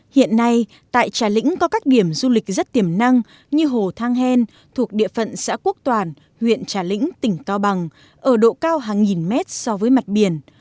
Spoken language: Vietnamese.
hiện nay tại trà lĩnh có các điểm du lịch rất tiềm năng như hồ thang hen thuộc địa phận xã quốc toàn huyện trà lĩnh tỉnh cao bằng ở độ cao hàng nghìn mét so với mặt biển